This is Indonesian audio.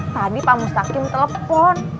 tadi pak mustaqim telepon